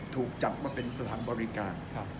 ถูกจับมาเป็นสถานบริการ